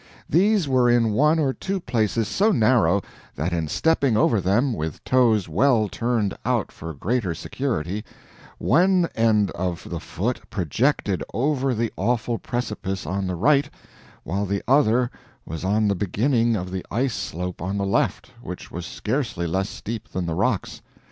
These were in one or two places so narrow, that in stepping over them with toes well turned out for greater security, ONE END OF THE FOOT PROJECTED OVER THE AWFUL PRECIPICE ON THE RIGHT, WHILE THE OTHER WAS ON THE BEGINNING OF THE ICE SLOPE ON THE LEFT, WHICH WAS SCARCELY LESS STEEP THAN THE ROCKS.